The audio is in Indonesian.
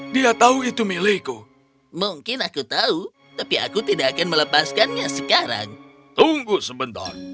dia tahu itu milikku mungkin aku tahu tapi aku tidak akan melepaskannya sekarang tunggu sebentar